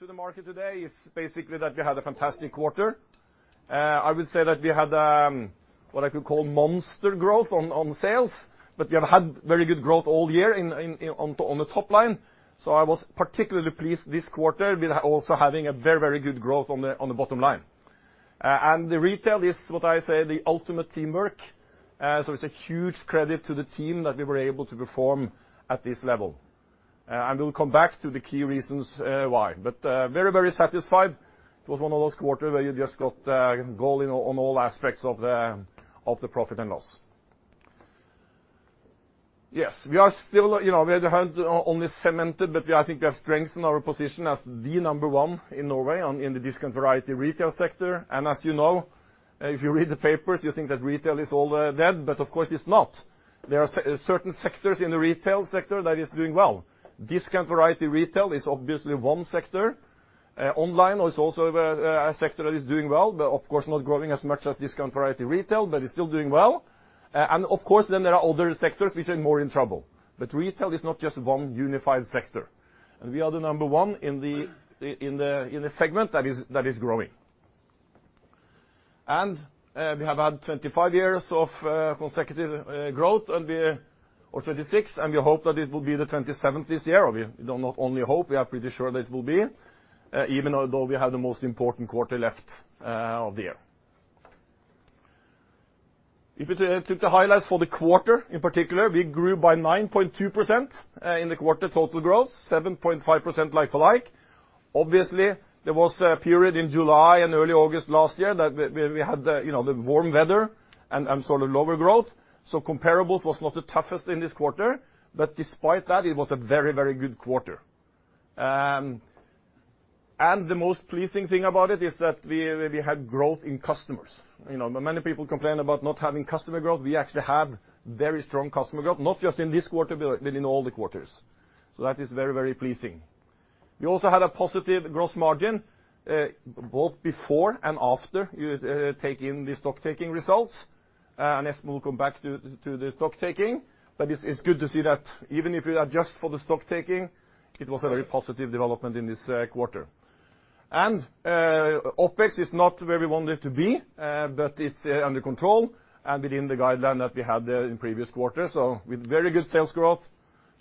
To the market today is basically that we had a fantastic quarter. I would say that we had what I could call monster growth on sales, but we have had very good growth all year on the top line. I was particularly pleased this quarter with also having a very good growth on the bottom line. The retail is what I say, the ultimate teamwork. It's a huge credit to the team that we were able to perform at this level. We'll come back to the key reasons why. Very satisfied. It was one of those quarters where you just got goal in on all aspects of the profit and loss. Yes, we had only cemented, but I think we have strengthened our position as the number one in Norway in the discount variety retail sector. As you know, if you read the papers, you think that retail is all dead, of course it's not. There are certain sectors in the retail sector that is doing well. Discount variety retail is obviously one sector. Online is also a sector that is doing well, of course, not growing as much as discount variety retail, is still doing well. Of course, there are other sectors which are more in trouble. Retail is not just one unified sector. We are the number one in the segment that is growing. We have had 25 years of consecutive growth, or 26, we hope that it will be the 27th this year. We do not only hope, we are pretty sure that it will be, even although we have the most important quarter left of the year. If you took the highlights for the quarter, in particular, we grew by 9.2% in the quarter total growth, 7.5% like-for-like. There was a period in July and early August last year that we had the warm weather and lower growth. Comparables was not the toughest in this quarter. Despite that, it was a very good quarter. The most pleasing thing about it is that we had growth in customers. Many people complain about not having customer growth. We actually have very strong customer growth, not just in this quarter, but in all the quarters. That is very pleasing. We also had a positive gross margin, both before and after you take in the stock-taking results. Yes, we'll come back to the stock-taking. It's good to see that even if you adjust for the stock-taking, it was a very positive development in this quarter. OpEx is not where we want it to be, but it's under control and within the guideline that we had in previous quarters. With very good sales growth,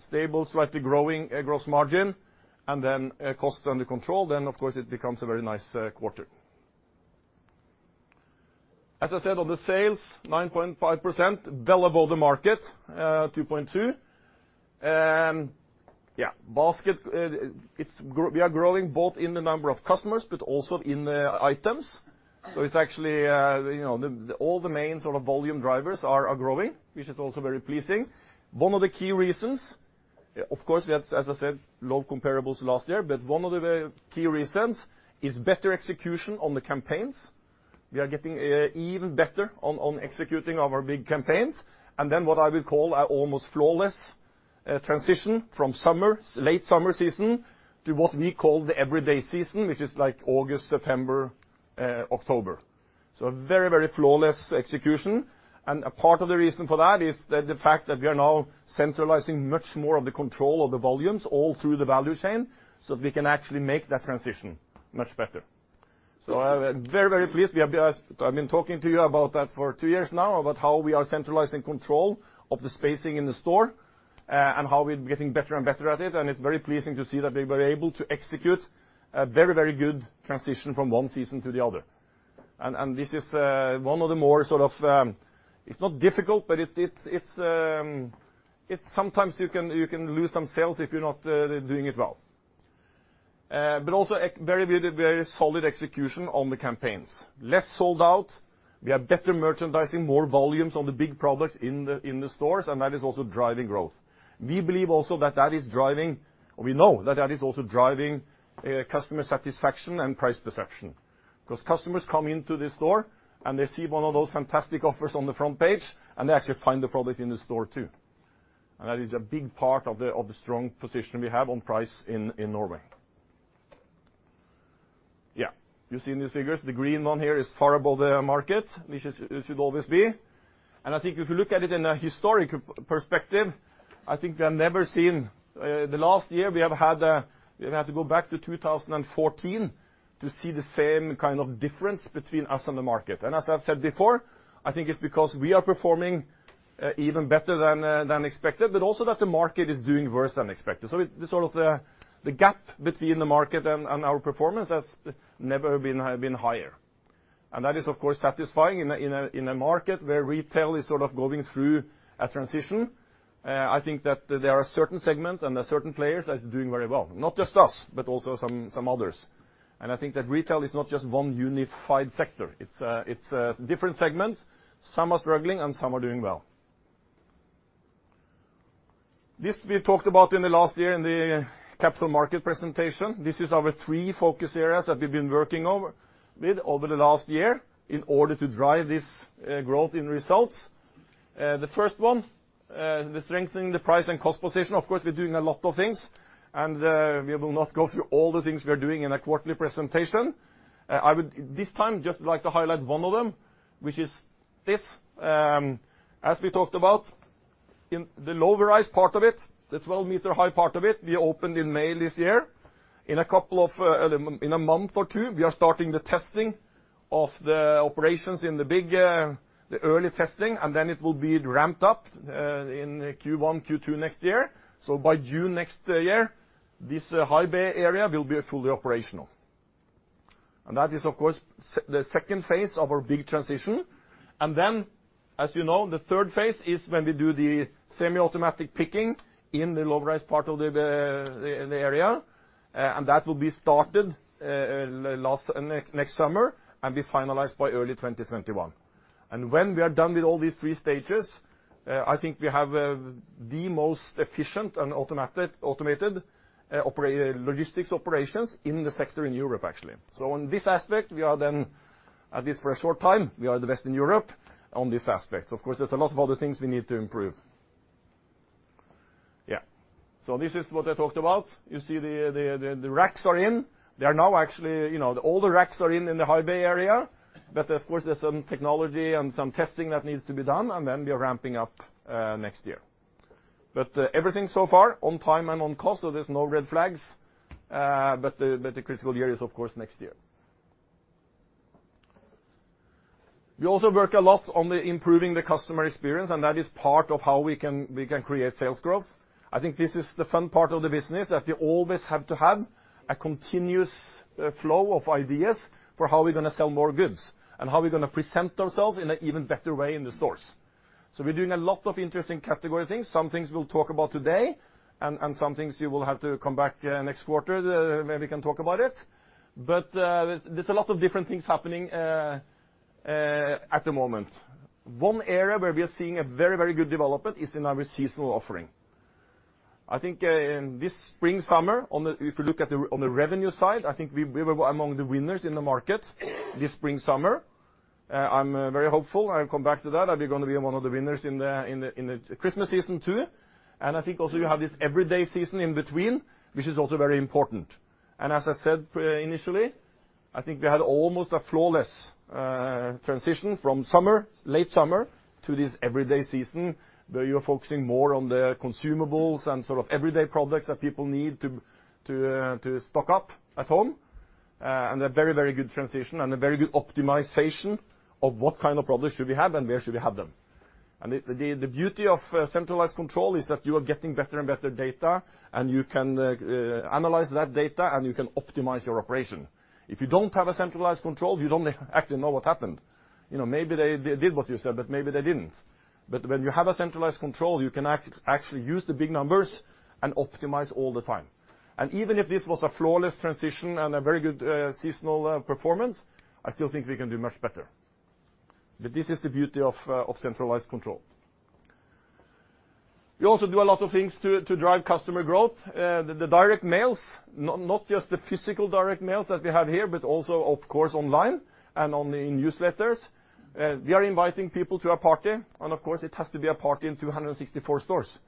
stable, slightly growing gross margin, cost under control, of course it becomes a very nice quarter. As I said on the sales, 9.5% well above the market, 2.2%. Yeah, basket, we are growing both in the number of customers but also in the items. It's actually all the main volume drivers are growing, which is also very pleasing. One of the key reasons, of course, we have, as I said, low comparables last year, but one of the key reasons is better execution on the campaigns. We are getting even better on executing our big campaigns. What I will call our almost flawless transition from late summer season to what we call the everyday season, which is like August, September, October. Very flawless execution. A part of the reason for that is the fact that we are now centralizing much more of the control of the volumes all through the value chain so we can actually make that transition much better. I'm very pleased. I've been talking to you about that for two years now, about how we are centralizing control of the spacing in the store and how we're getting better and better at it, and it's very pleasing to see that we were able to execute a very good transition from one season to the other. This is one of the more, it's not difficult, but sometimes you can lose some sales if you're not doing it well. Also very solid execution on the campaigns. Less sold out. We have better merchandising, more volumes on the big products in the stores, and that is also driving growth. We believe also that that is driving, or we know that that is also driving customer satisfaction and price perception because customers come into the store and they see one of those fantastic offers on the front page, and they actually find the product in the store, too. That is a big part of the strong position we have on price in Norway. Yeah, you've seen these figures. The green one here is far above the market, which it should always be. I think if you look at it in a historic perspective, I think the last year, we have had to go back to 2014 to see the same kind of difference between us and the market. As I've said before, I think it's because we are performing even better than expected, but also that the market is doing worse than expected. The gap between the market and our performance has never been higher. That is, of course, satisfying in a market where retail is going through a transition. I think that there are certain segments and there are certain players that's doing very well. Not just us, but also some others. I think that retail is not just one unified sector. It's different segments. Some are struggling, and some are doing well. This we talked about in the last year in the capital market presentation. This is our three focus areas that we've been working with over the last year in order to drive this growth in results. The first one, the strengthening the price and cost position. We are doing a lot of things. We will not go through all the things we are doing in a quarterly presentation. I would this time just like to highlight one of them, which is this. As we talked about. In the low-rise part of it, the 12-meter-high part of it, we opened in May this year. In a month or two, we are starting the testing of the operations in the big, the early testing. It will be ramped up in Q1, Q2 next year. By June next year, this High Bay area will be fully operational. That is, of course, the second phase of our big transition. Then, as you know, the third phase is when we do the semi-automatic picking in the low-rise part of the area. That will be started next summer and be finalized by early 2021. When we are done with all these 3 stages, I think we have the most efficient and automated logistics operations in the sector in Europe, actually. On this aspect, we are then at this very short time, we are the best in Europe on this aspect. Of course, there's a lot of other things we need to improve. This is what I talked about. You see the racks are in. All the racks are in in the High Bay area. Of course, there's some technology and some testing that needs to be done, and then we are ramping up next year. Everything so far on time and on cost, so there's no red flags. The critical year is, of course, next year. We also work a lot on improving the customer experience, and that is part of how we can create sales growth. I think this is the fun part of the business, that we always have to have a continuous flow of ideas for how we're going to sell more goods and how we're going to present ourselves in an even better way in the stores. We're doing a lot of interesting category things. Some things we'll talk about today, and some things you will have to come back next quarter, maybe we can talk about it. There's a lot of different things happening at the moment. One area where we are seeing a very, very good development is in our seasonal offering. I think in this spring/summer, if you look on the revenue side, I think we were among the winners in the market this spring/summer. I'm very hopeful, I'll come back to that we're going to be one of the winners in the Christmas season, too. I think also you have this everyday season in between, which is also very important. As I said initially, I think we had almost a flawless transition from late summer to this everyday season, where you're focusing more on the consumables and sort of everyday products that people need to stock up at home, and a very, very good transition and a very good optimization of what kind of products should we have and where should we have them. The beauty of centralized control is that you are getting better and better data, and you can analyze that data, and you can optimize your operation. If you don't have a centralized control, you don't actually know what happened. Maybe they did what you said, but maybe they didn't. When you have a centralized control, you can actually use the big numbers and optimize all the time. Even if this was a flawless transition and a very good seasonal performance, I still think we can do much better. This is the beauty of centralized control. We also do a lot of things to drive customer growth. The direct mails, not just the physical direct mails that we have here, but also of course online and in newsletters. We are inviting people to a party, of course it has to be a party in 264 stores.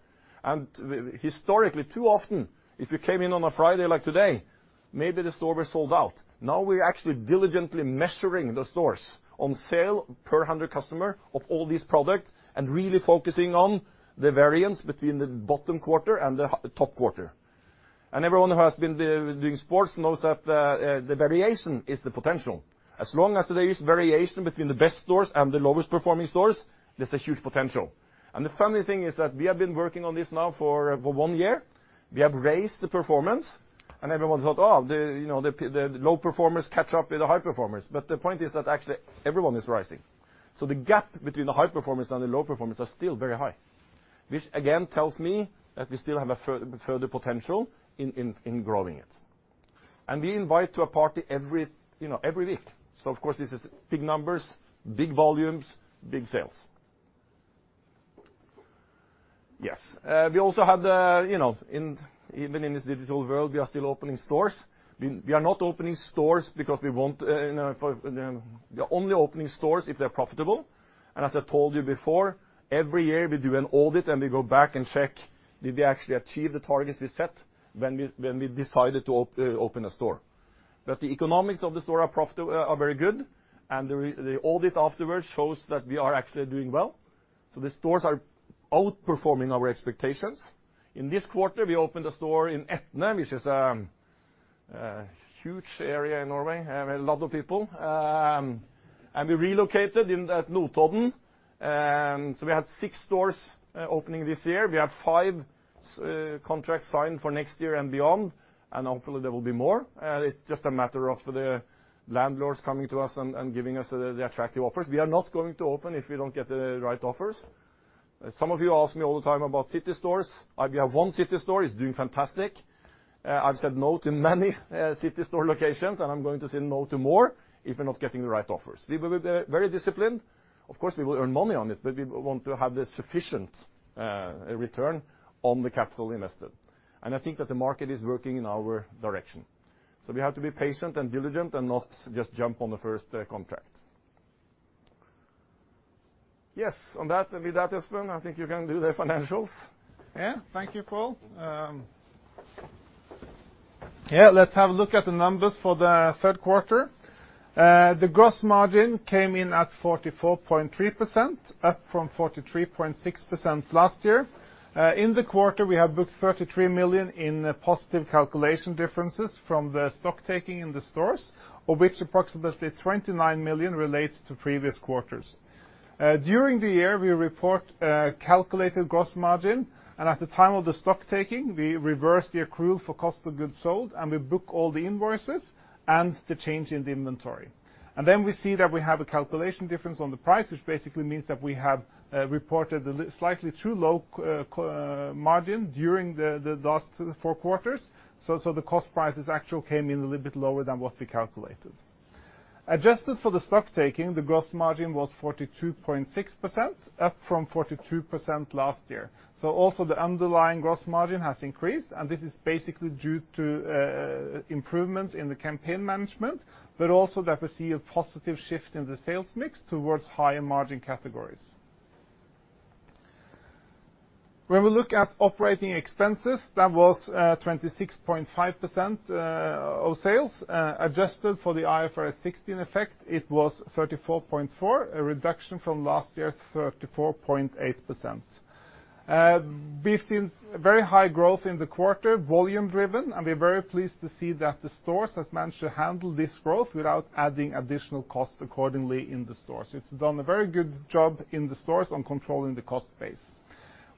Historically, too often, if you came in on a Friday like today, maybe the store was sold out. Now we're actually diligently measuring the stores on sale per 100 customer of all these products and really focusing on the variance between the bottom quarter and the top quarter. Everyone who has been doing sports knows that the variation is the potential. As long as there is variation between the best stores and the lowest performing stores, there is a huge potential. The funny thing is that we have been working on this now for one year. We have raised the performance, and everyone thought, "Oh, the low performers catch up with the high performers." The point is that actually everyone is rising. The gap between the high performers and the low performers are still very high, which again tells me that we still have further potential in growing it. We invite to a party every week. Of course, this is big numbers, big volumes, big sales. Yes. Even in this digital world, we are still opening stores. We are only opening stores if they are profitable. As I told you before, every year we do an audit and we go back and check, did we actually achieve the targets we set when we decided to open a store? The economics of the store are very good, and the audit afterwards shows that we are actually doing well. The stores are outperforming our expectations. In this quarter, we opened a store in Etne, which is a huge area in Norway, a lot of people. We relocated at Notodden. We had six stores opening this year. We have five contracts signed for next year and beyond, and hopefully there will be more. It's just a matter of the landlords coming to us and giving us the attractive offers. We are not going to open if we don't get the right offers. Some of you ask me all the time about city stores. We have one city store. It's doing fantastic. I've said no to many city store locations, and I'm going to say no to more if we're not getting the right offers. We will be very disciplined. Of course, we will earn money on it, but we want to have the sufficient return on the capital invested. I think that the market is working in our direction. We have to be patient and diligent and not just jump on the first contract. Yes. On that, with that, Espen, I think you can do the financials. Yeah. Thank you, Pål. Let's have a look at the numbers for the third quarter. The gross margin came in at 44.3%, up from 43.6% last year. In the quarter, we have booked 33 million in positive calculation differences from the stock taking in the stores, of which approximately 29 million relates to previous quarters. During the year, we report calculated gross margin, and at the time of the stock taking, we reverse the accrual for cost of goods sold and we book all the invoices and the change in the inventory. Then we see that we have a calculation difference on the price, which basically means that we have reported a slightly too low margin during the last four quarters. The cost prices actually came in a little bit lower than what we calculated. Adjusted for the stocktaking, the gross margin was 42.6%, up from 42% last year. Also the underlying gross margin has increased, and this is basically due to improvements in the campaign management, but also that we see a positive shift in the sales mix towards higher margin categories. When we look at operating expenses, that was 26.5% of sales. Adjusted for the IFRS 16 effect, it was 34.4%, a reduction from last year's 34.8%. We've seen very high growth in the quarter, volume driven, and we're very pleased to see that the stores has managed to handle this growth without adding additional cost accordingly in the stores. It's done a very good job in the stores on controlling the cost base.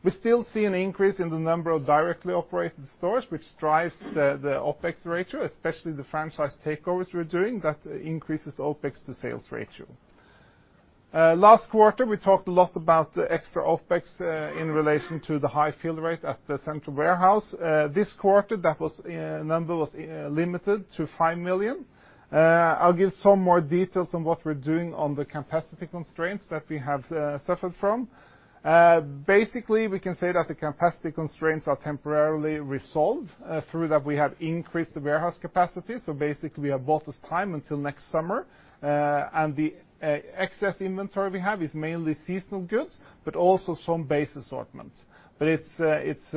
We still see an increase in the number of directly operated stores, which drives the OpEx ratio, especially the franchise takeovers we're doing that increases OpEx to sales ratio. Last quarter, we talked a lot about the extra OpEx in relation to the high fill rate at the central warehouse. This quarter that number was limited to 5 million. I'll give some more details on what we're doing on the capacity constraints that we have suffered from. Basically, we can say that the capacity constraints are temporarily resolved through that we have increased the warehouse capacity. Basically, we have bought us time until next summer. The excess inventory we have is mainly seasonal goods, but also some base assortments. It's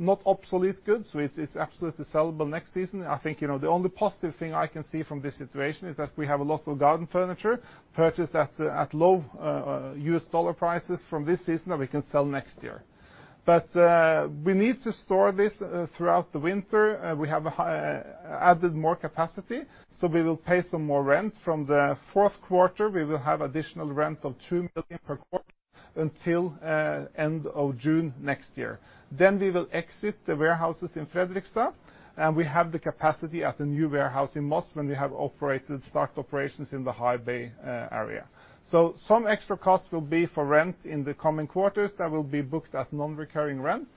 not obsolete goods, so it's absolutely sellable next season. I think, the only positive thing I can see from this situation is that we have a lot of garden furniture purchased at low US dollar prices from this season that we can sell next year. We need to store this throughout the winter. We have added more capacity, so we will pay some more rent. From the fourth quarter, we will have additional rent of 2 million per quarter until end of June next year. We will exit the warehouses in Fredrikstad, and we have the capacity at the new warehouse in Moss when we have started operations in the High Bay area. Some extra costs will be for rent in the coming quarters that will be booked as non-recurring rent.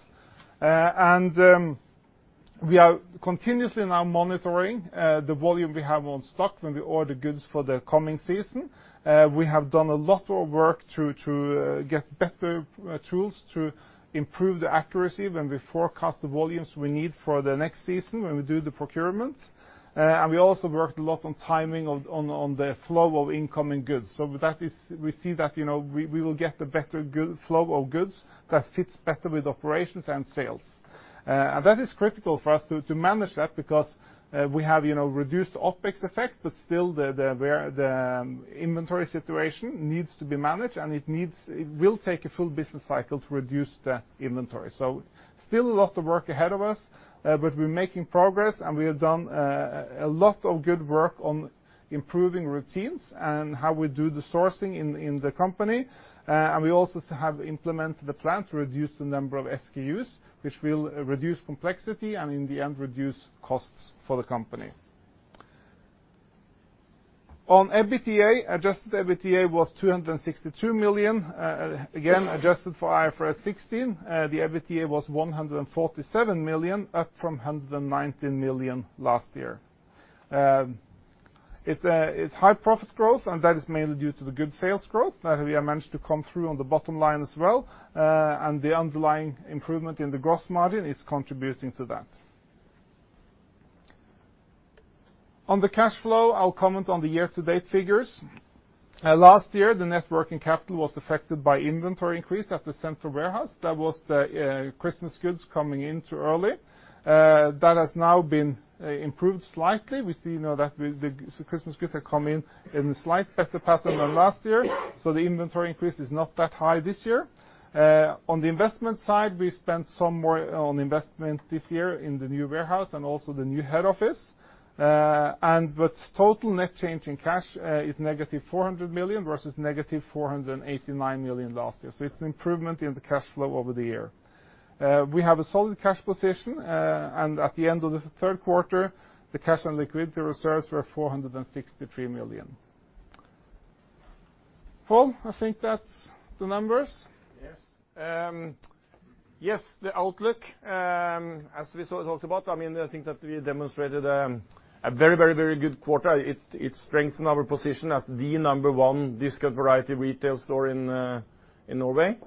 We are continuously now monitoring the volume we have on stock when we order goods for the coming season. We have done a lot of work to get better tools to improve the accuracy when we forecast the volumes we need for the next season when we do the procurement. We also worked a lot on timing on the flow of incoming goods. We see that we will get a better flow of goods that fits better with operations and sales. That is critical for us to manage that because we have reduced OpEx effect, but still the inventory situation needs to be managed, and it will take a full business cycle to reduce the inventory. Still a lot of work ahead of us, but we're making progress, and we have done a lot of good work on improving routines and how we do the sourcing in the company. We also have implemented a plan to reduce the number of SKUs, which will reduce complexity and in the end, reduce costs for the company. EBITDA, adjusted EBITDA was 262 million. Adjusted for IFRS 16, the EBITDA was 147 million, up from 119 million last year. It's high profit growth, that is mainly due to the good sales growth that we have managed to come through on the bottom line as well. The underlying improvement in the gross margin is contributing to that. The cash flow, I'll comment on the year-to-date figures. Last year, the net working capital was affected by inventory increase at the central warehouse. That was the Christmas goods coming in too early. That has now been improved slightly. We see now that the Christmas goods have come in a slight better pattern than last year, so the inventory increase is not that high this year. On the investment side, we spent some more on investment this year in the new warehouse and also the new head office. Total net change in cash is negative 400 million versus negative 489 million last year. It's an improvement in the cash flow over the year. We have a solid cash position, and at the end of the third quarter, the cash and liquidity reserves were 463 million. Pål, I think that's the numbers. Yes. Yes. The outlook, as we talked about, I think that we demonstrated a very, very, very good quarter. It strengthened our position as the number one discount variety retail store in Norway.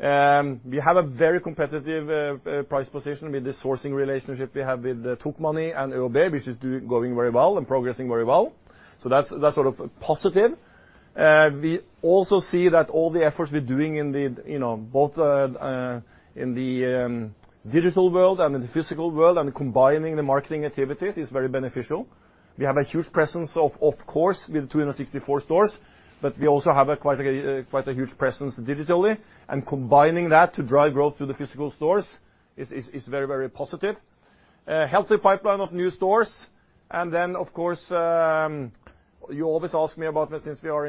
We have a very competitive price position with the sourcing relationship we have with Tokmanni and ÖoB, which is going very well and progressing very well. That's sort of positive. We also see that all the efforts we're doing both in the digital world and in the physical world, and combining the marketing activities is very beneficial. We have a huge presence, of course, with 264 stores, but we also have quite a huge presence digitally, and combining that to drive growth to the physical stores is very positive. A healthy pipeline of new stores. Of course, you always ask me about, since we are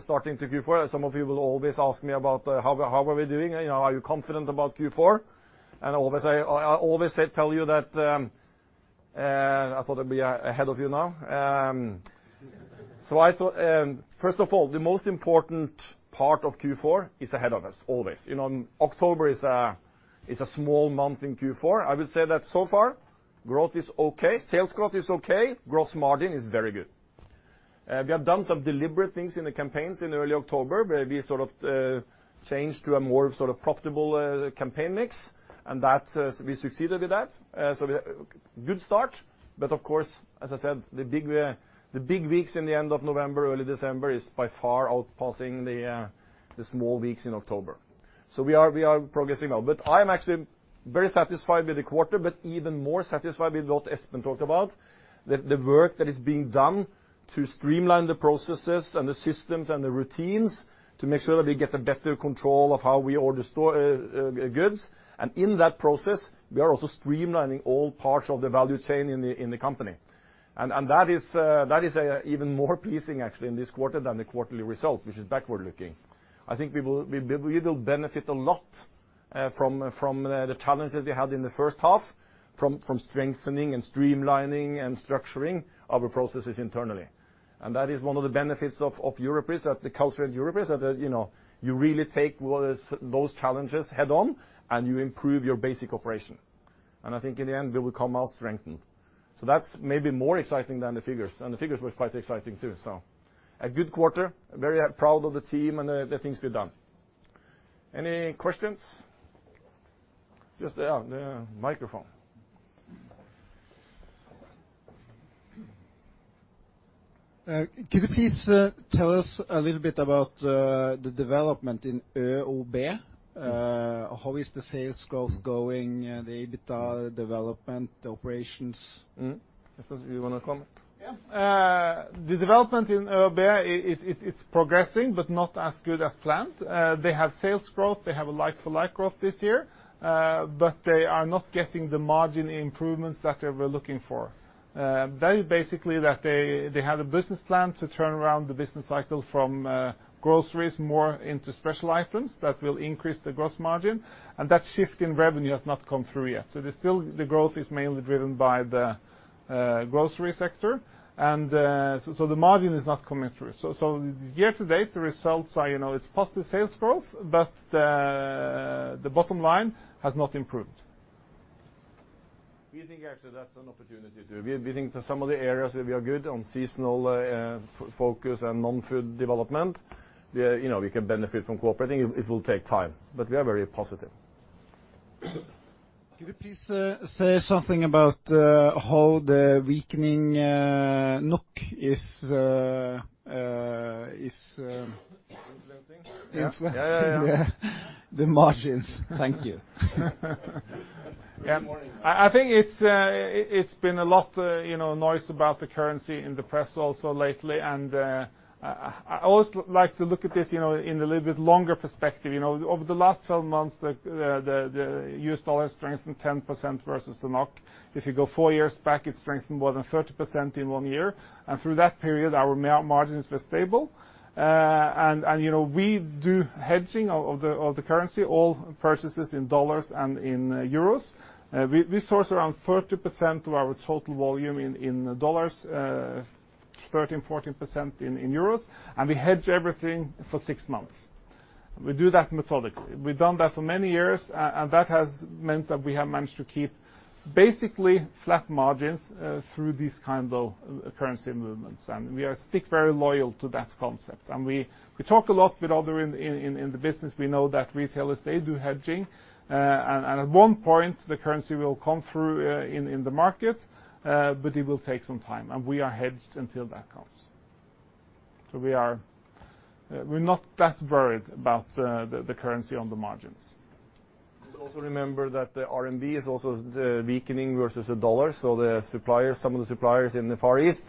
starting Q4, some of you will always ask me about how we're doing. Are you confident about Q4? I always tell you that I thought I'd be ahead of you now. First of all, the most important part of Q4 is ahead of us, always. October is a small month in Q4. I would say that so far, growth is okay. Sales growth is okay. Gross margin is very good. We have done some deliberate things in the campaigns in early October, where we changed to a more profitable campaign mix, and we succeeded with that. Good start. Of course, as I said, the big weeks in the end of November, early December, is by far outpacing the small weeks in October. We are progressing well. I am actually very satisfied with the quarter, but even more satisfied with what Espen talked about, the work that is being done to streamline the processes and the systems and the routines to make sure that we get a better control of how we order goods. In that process, we are also streamlining all parts of the value chain in the company. That is even more pleasing, actually, in this quarter than the quarterly results, which is backward-looking. I think we will benefit a lot from the challenges we had in the first half, from strengthening and streamlining and structuring our processes internally. That is one of the benefits of Europris, that the culture at Europris, you really take those challenges head-on, and you improve your basic operation. I think in the end, we will come out strengthened. That's maybe more exciting than the figures. The figures were quite exciting, too. A good quarter. Very proud of the team and the things we've done. Any questions? Yes. Microphone. Could you please tell us a little bit about the development in ÖoB? How is the sales growth going, the EBITDA development, the operations? Espen, do you want to comment? Yeah. The development in ÖoB, it's progressing, but not as good as planned. They have sales growth. They have a like-for-like growth this year, but they are not getting the margin improvements that they were looking for. That is basically that they had a business plan to turn around the business cycle from groceries more into special items that will increase the gross margin, and that shift in revenue has not come through yet. The growth is mainly driven by the grocery sector, and so the margin is not coming through. Year-to-date, the results, it's positive sales growth, but the bottom line has not improved. We think, actually, that's an opportunity too. We think that some of the areas that we are good on seasonal focus and non-food development, we can benefit from cooperating. It will take time, but we are very positive. Could you please say something about how the weakening NOK is- Influencing? influencing- Yeah the margins. Thank you. I think it's been a lot noise about the currency in the press also lately. I always like to look at this in a little bit longer perspective. Over the last 12 months, the U.S. dollar strengthened 10% versus the NOK. If you go four years back, it strengthened more than 30% in one year. Through that period, our margins were stable. We do hedging of the currency, all purchases in U.S. dollars and in euros. We source around 30% of our total volume in U.S. dollars, 13%, 14% in euros. We hedge everything for six months. We do that methodically. We've done that for many years, that has meant that we have managed to keep basically flat margins through these kind of currency movements. We stick very loyal to that concept. We talk a lot with other in the business, we know that retailers, they do hedging, and at one point, the currency will come through in the market, but it will take some time, and we are hedged until that comes. We're not that worried about the currency on the margins. Remember that the RMB is also weakening versus the U.S. dollar, so some of the suppliers in the Far East,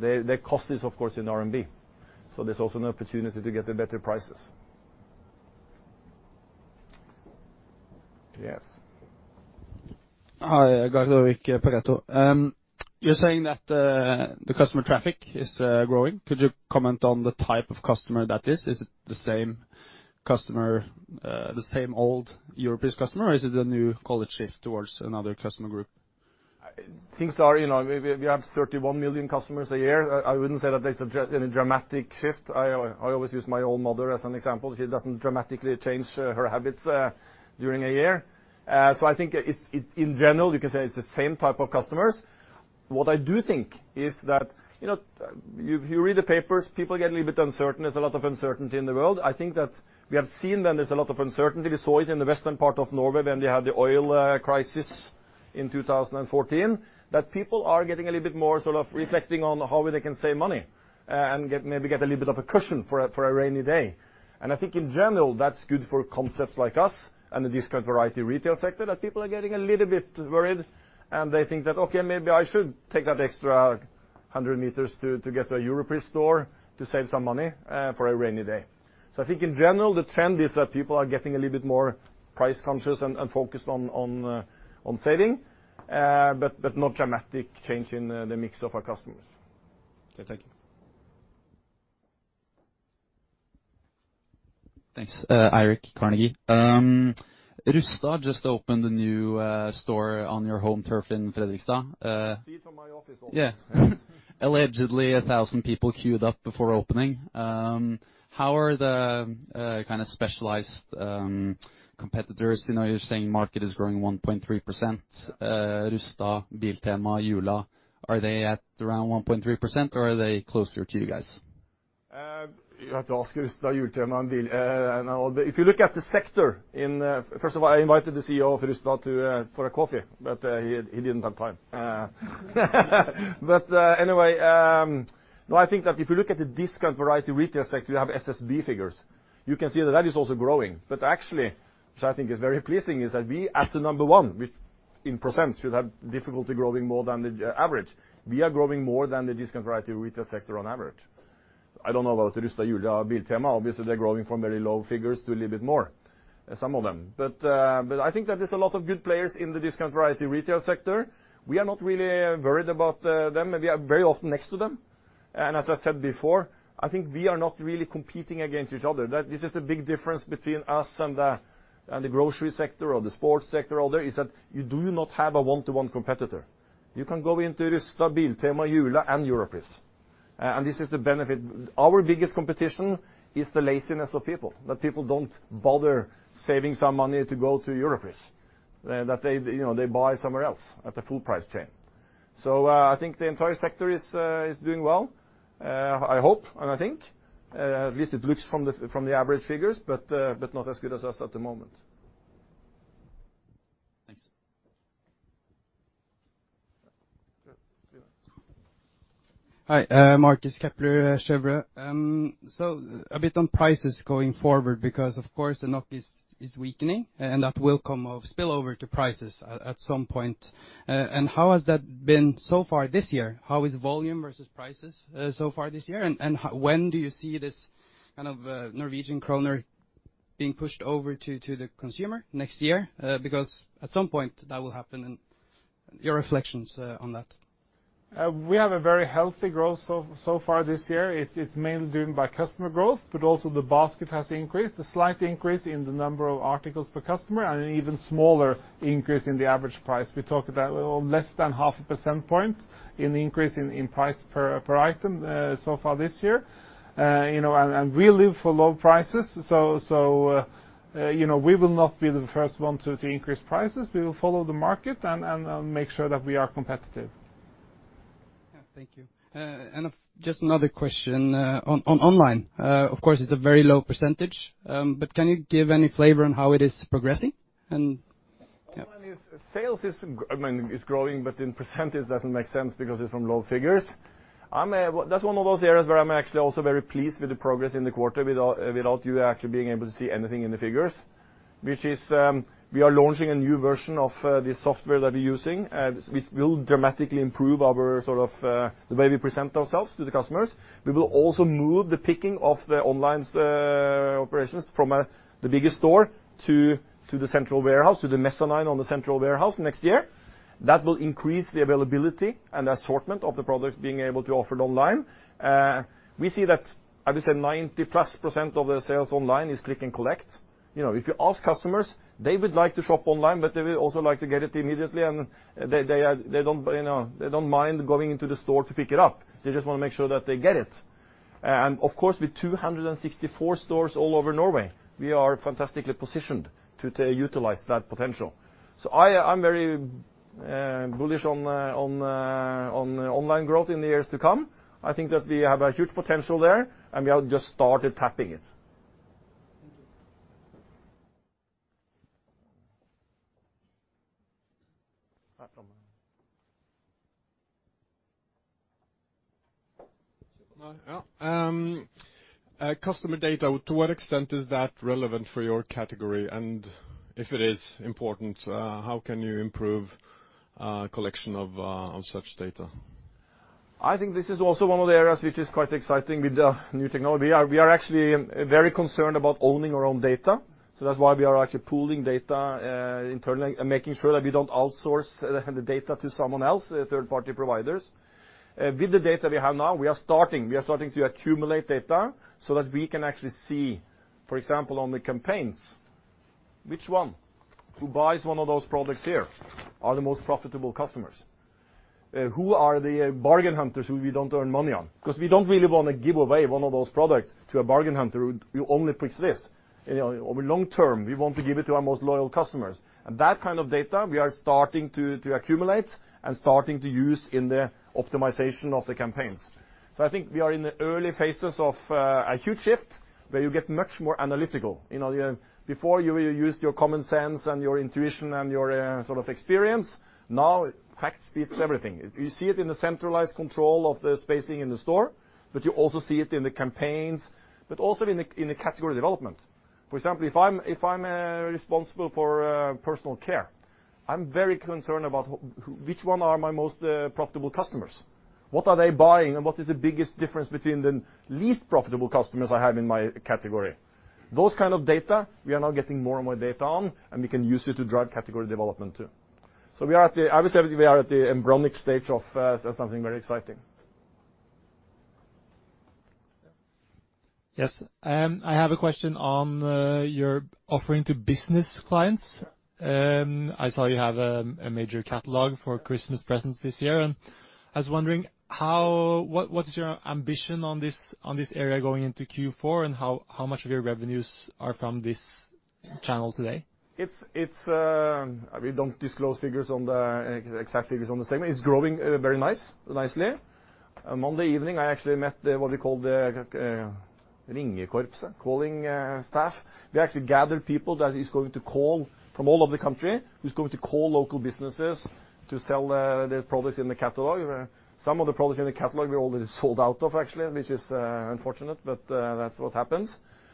their cost is, of course, in RMB. There's also an opportunity to get better prices. Yes. Hi. Gard Aarvik, Pareto. You're saying that the customer traffic is growing. Could you comment on the type of customer that is? Is it the same old Europris customer, or is it a new cohort shift towards another customer group? We have 31 million customers a year. I wouldn't say that there's any dramatic shift. I always use my own mother as an example. She doesn't dramatically change her habits during a year. I think in general, you can say it's the same type of customers. What I do think is that if you read the papers, people get a little bit uncertain. There's a lot of uncertainty in the world. I think that we have seen when there's a lot of uncertainty, we saw it in the western part of Norway when they had the oil crisis in 2014, that people are getting a little bit more reflecting on how they can save money, and maybe get a little bit of a cushion for a rainy day. I think in general, that's good for concepts like us and the discount variety retail sector, that people are getting a little bit worried and they think that, okay, maybe I should take that extra 100 meters to get to a Europris store to save some money for a rainy day. I think in general, the trend is that people are getting a little bit more price conscious and focused on saving, but no dramatic change in the mix of our customers. Okay. Thank you. Thanks. Eirik, Carnegie. Rusta just opened a new store on your home turf in Fredrikstad. I see it from my office. Yeah. Allegedly, 1,000 people queued up before opening. How are the kind of specialized competitors? You're saying market is growing 1.3%, Rusta, Biltema, Jula, are they at around 1.3% or are they closer to you guys? You have to ask Rusta, Jula, and Biltema. First of all, I invited the CEO of Rusta out for a coffee, but he didn't have time. Anyway, no, I think that if you look at the discount variety retail sector, we have SSB figures. You can see that that is also growing. Actually, which I think is very pleasing, is that we, as the number one, which in % should have difficulty growing more than the average, we are growing more than the discount variety retail sector on average. I don't know about Rusta, Jula, Biltema. Obviously, they're growing from very low figures to a little bit more, some of them. I think that there's a lot of good players in the discount variety retail sector. We are not really worried about them, and we are very often next to them. As I said before, I think we are not really competing against each other. This is the big difference between us and the grocery sector or the sports sector or other, is that you do not have a one-to-one competitor. You can go into Rusta, Biltema, Jula and Europris, and this is the benefit. Our biggest competition is the laziness of people, that people don't bother saving some money to go to Europris, that they buy somewhere else at the full price chain. I think the entire sector is doing well. I hope, and I think, at least it looks from the average figures, but not as good as us at the moment. Thanks. Good. Hi. Marcus, Kepler Cheuvreux. A bit on prices going forward because, of course, the NOK is weakening, and that will come of spill over to prices at some point. How has that been so far this year? How is volume versus prices so far this year? When do you see this kind of Norwegian kroner being pushed over to the consumer? Next year? At some point that will happen. Your reflections on that? We have a very healthy growth so far this year. It's mainly driven by customer growth, but also the basket has increased. A slight increase in the number of articles per customer and an even smaller increase in the average price. We talk about less than half a % point in increase in price per item so far this year. We live for low prices, so we will not be the first one to increase prices. We will follow the market and make sure that we are competitive. Yeah. Thank you. Just another question, on online. Of course, it's a very low %, but can you give any flavor on how it is progressing? Online sales is growing but in percentage doesn't make sense because it's from low figures. That's one of those areas where I'm actually also very pleased with the progress in the quarter without you actually being able to see anything in the figures, which is, we are launching a new version of the software that we're using, which will dramatically improve the way we present ourselves to the customers. We will also move the picking of the online operations from the biggest store to the central warehouse, to the Messe online on the central warehouse next year. That will increase the availability and assortment of the products being able to offer it online. We see that, I would say 90+% of the sales online is click and collect. If you ask customers, they would like to shop online, but they would also like to get it immediately, and they don't mind going into the store to pick it up. They just want to make sure that they get it. Of course, with 264 stores all over Norway, we are fantastically positioned to utilize that potential. I'm very bullish on online growth in the years to come. I think that we have a huge potential there, and we have just started tapping it. Thank you. Customer data, to what extent is that relevant for your category? If it is important, how can you improve collection of such data? I think this is also one of the areas which is quite exciting with the new technology. We are actually very concerned about owning our own data. That's why we are actually pooling data internally and making sure that we don't outsource the data to someone else, third-party providers. With the data we have now, we are starting to accumulate data so that we can actually see, for example, on the campaigns, which one who buys one of those products here are the most profitable customers. Who are the bargain hunters who we don't earn money on? We don't really want to give away one of those products to a bargain hunter who only picks this. Over long term, we want to give it to our most loyal customers. That kind of data we are starting to accumulate and starting to use in the optimization of the campaigns. I think we are in the early phases of a huge shift where you get much more analytical. You know before you used your common sense and your intuition and your experience. Now facts beats everything. You see it in the centralized control of the spacing in the store, but you also see it in the campaigns, but also in the category development. For example, if I'm responsible for personal care, I'm very concerned about which one are my most profitable customers. What are they buying, and what is the biggest difference between the least profitable customers I have in my category? Those kind of data, we are now getting more and more data on, and we can use it to drive category development too. Obviously, we are at the embryonic stage of something very exciting. Yes. I have a question on your offering to business clients. I saw you have a major catalog for Christmas presents this year, and I was wondering what is your ambition on this area going into Q4 and how much of your revenues are from this channel today? We don't disclose exact figures on the segment. It's growing very nicely. Monday evening, I actually met what we call the Ringerkorpset, calling staff. We actually gathered people that is going to call from all over the country, who's going to call local businesses to sell the products in the catalog. Some of the products in the catalog we already sold out of actually, which is unfortunate, but that's what happens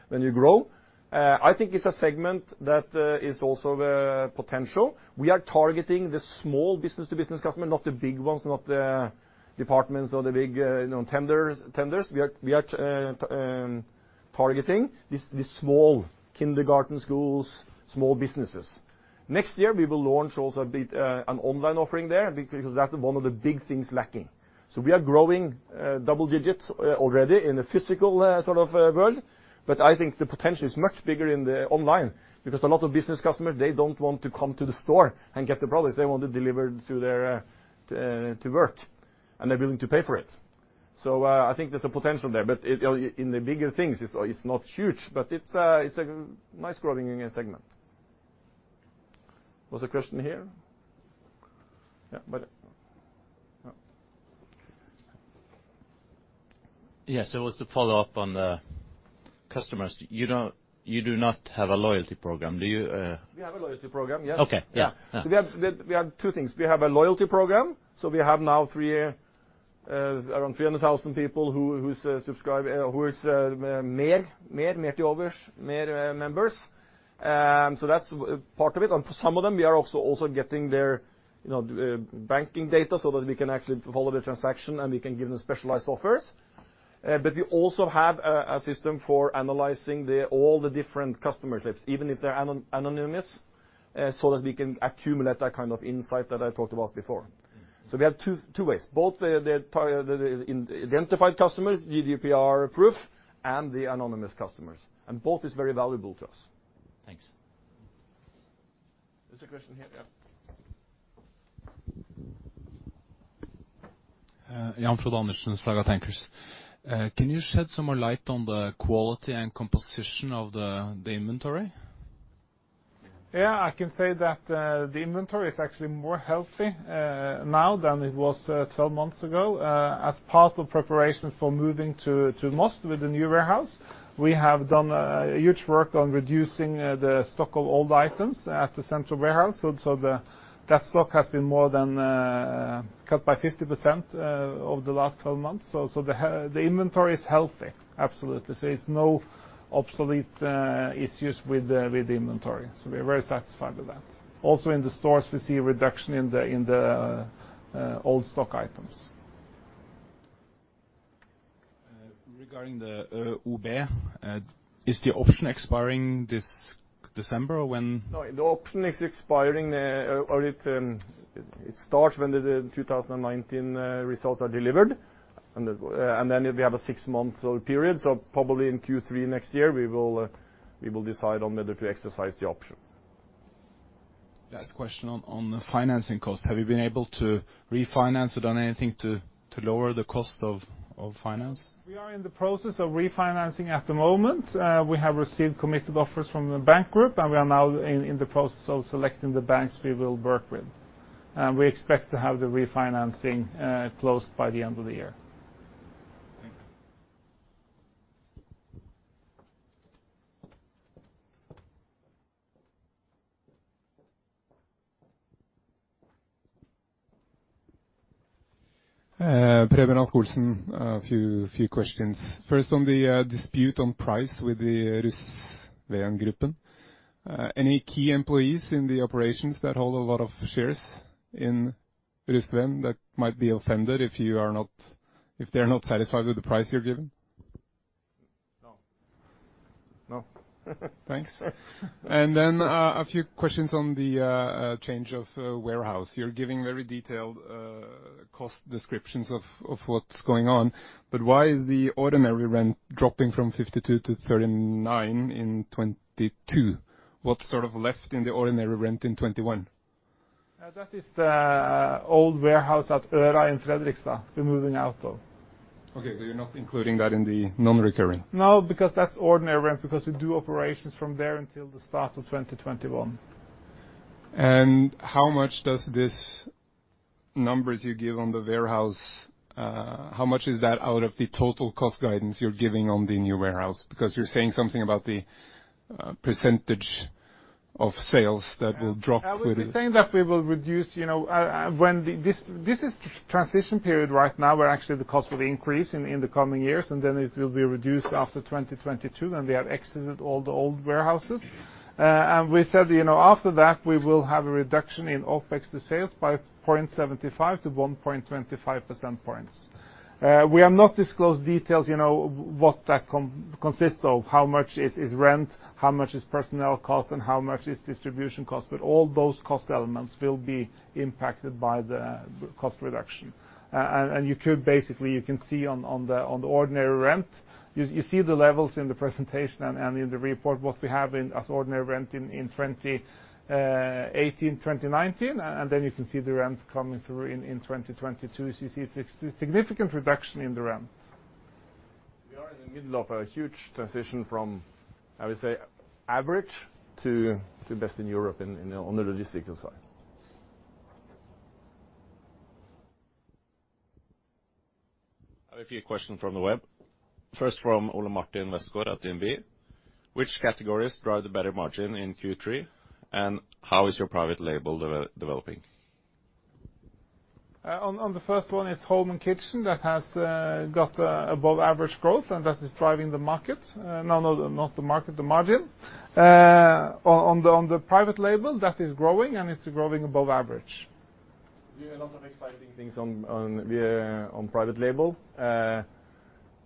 when you grow. I think it's a segment that is also potential. We are targeting the small business-to-business customer, not the big ones, not the departments or the big tenders. We are targeting the small kindergarten schools, small businesses. Next year, we will launch also a bit an online offering there because that's one of the big things lacking. We are growing double digits already in the physical world, but I think the potential is much bigger in the online, because a lot of business customers, they don't want to come to the store and get the products. They want it delivered to work, and they're willing to pay for it. I think there's a potential there. In the bigger things, it's not huge, but it's a nice growing segment. Was there a question here? Yeah. Yes, it was to follow up on the customers. You do not have a loyalty program, do you? We have a loyalty program, yes. Okay. Yeah. We have two things. We have a loyalty program. We have now around 300,000 people who is MER members. That's part of it. For some of them, we are also getting their banking data so that we can actually follow the transaction, and we can give them specialized offers. We also have a system for analyzing all the different customer types, even if they're anonymous, so that we can accumulate that kind of insight that I talked about before. We have two ways, both the identified customers, GDPR-proof, and the anonymous customers. Both is very valuable to us. Thanks. There's a question here. Yeah. Jan Frode Andersen, Saga Tankers. Can you shed some more light on the quality and composition of the inventory? I can say that the inventory is actually more healthy now than it was 12 months ago. As part of preparations for moving to Moss with the new warehouse, we have done huge work on reducing the stock of old items at the central warehouse. That stock has been more than cut by 50% over the last 12 months. The inventory is healthy, absolutely. It's no obsolete issues with the inventory. We are very satisfied with that. Also in the stores, we see a reduction in the old stock items. Regarding the UB, is the option expiring this December or when? The option is expiring, or it starts when the 2019 results are delivered, and then we have a six-month period. Probably in Q3 next year, we will decide on whether to exercise the option. Last question on the financing cost. Have you been able to refinance or done anything to lower the cost of finance? We are in the process of refinancing at the moment. We have received committed offers from the bank group, and we are now in the process of selecting the banks we will work with. We expect to have the refinancing closed by the end of the year. Thank you. Preben Rasch-Olsen. A few questions. First, on the dispute on price with the Runsvengruppen. Any key employees in the operations that hold a lot of shares in Russeland that might be offended if they are not satisfied with the price you're giving? No. No? Thanks. Then, a few questions on the change of warehouse. You're giving very detailed cost descriptions of what's going on, but why is the ordinary rent dropping from 52 to 39 in 2022? What's left in the ordinary rent in 2021? That is the old warehouse at Øra in Fredrikstad. We're moving out, though. Okay, you're not including that in the non-recurring? No, because that's ordinary rent, because we do operations from there until the start of 2021. How much does these numbers you give on the warehouse, how much is that out of the total cost guidance you're giving on the new warehouse? You're saying something about the % of sales that will drop with- This is transition period right now, where actually the cost will increase in the coming years, then it will be reduced after 2022 when we have exited all the old warehouses. We said, after that, we will have a reduction in OpEx to sales by 0.75 to 1.25 percentage points. We have not disclosed details, what that consists of, how much is rent, how much is personnel cost, and how much is distribution cost, but all those cost elements will be impacted by the cost reduction. You can see on the ordinary rent. You see the levels in the presentation and in the report, what we have as ordinary rent in 2018, 2019, and then you can see the rent coming through in 2022. You see a significant reduction in the rent. We are in the middle of a huge transition from, I would say, average to best in Europe on the logistical side. I have a few question from the web. First, from Ole Martin Westgaard at DNB. Which categories drive the better margin in Q3, and how is your private label developing? On the first one, it's home and kitchen that has got above-average growth, and that is driving the market. No, not the market, the margin. On the private label, that is growing, and it's growing above average. We have a lot of exciting things on private label.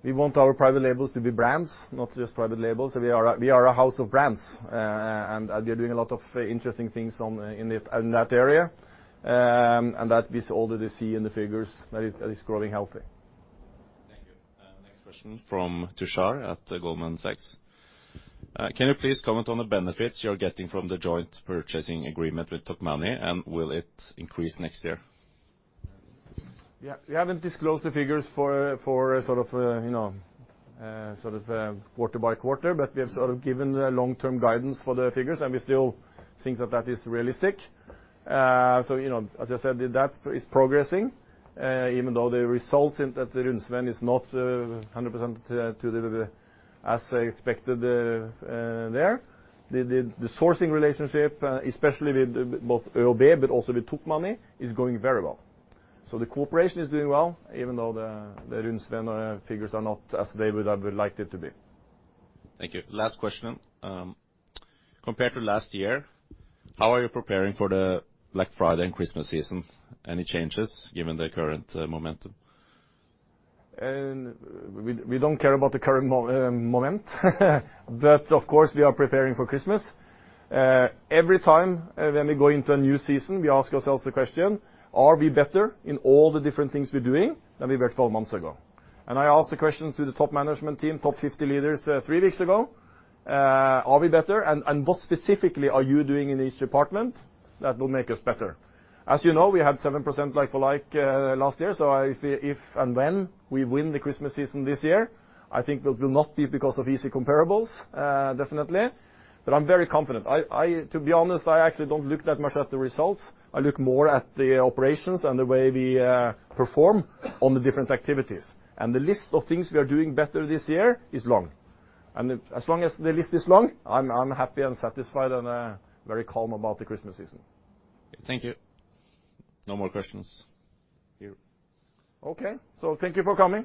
We want our private labels to be brands, not just private labels. We are a house of brands, and we are doing a lot of interesting things in that area. That is all that they see in the figures, that it's growing healthy. Thank you. Next question from Tushar at Goldman Sachs. Can you please comment on the benefits you're getting from the joint purchasing agreement with Tokmanni, and will it increase next year? Yeah. We haven't disclosed the figures for sort of quarter by quarter, but we have given the long-term guidance for the figures, and we still think that that is realistic. As I said, that is progressing, even though the results in that the Runsvengruppen is not 100% as expected there. The sourcing relationship, especially with both ÖoB, but also with Tokmanni, is going very well. The cooperation is doing well, even though the Runsvengruppen figures are not as they would have liked it to be. Thank you. Last question. Compared to last year, how are you preparing for the Black Friday and Christmas season? Any changes given the current momentum? We don't care about the current moment but of course, we are preparing for Christmas. Every time when we go into a new season, we ask ourselves the question: Are we better in all the different things we're doing than we were 12 months ago? I asked the question to the top management team, top 50 leaders, three weeks ago. Are we better? What specifically are you doing in each department that will make us better? As you know, we had 7% like-for-like last year, if and when we win the Christmas season this year, I think it will not be because of easy comparables, definitely. I'm very confident. To be honest, I actually don't look that much at the results. I look more at the operations and the way we perform on the different activities. The list of things we are doing better this year is long. As long as the list is long, I'm happy and satisfied and very calm about the Christmas season. Thank you. No more questions. Okay. Thank you for coming.